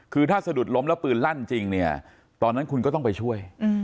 คือถ้าสะดุดล้มแล้วปืนลั่นจริงเนี่ยตอนนั้นคุณก็ต้องไปช่วย